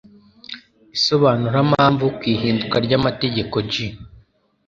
Isobanurampamvu ku ihinduka ry amategeko J